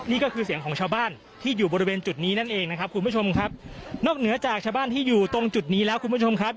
นี่ก็คือเสียงของชาวบ้านที่อยู่บริเวณจุดนี้นั่นเองนะครับคุณผู้ชมครับนอกเหนือจากชาวบ้านที่อยู่ตรงจุดนี้แล้วคุณผู้ชมครับ